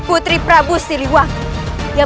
ini masih ada santan